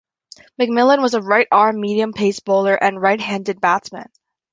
McMillan was a right arm medium-pace bowler and right-handed batsman.